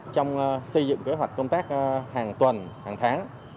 trong xây dựng kế hoạch công tác hàng tuần hàng tháng